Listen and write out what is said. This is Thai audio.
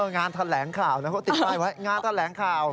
งานแถลงข่าวเขาติดป้ายไว้งานแถลงข่าว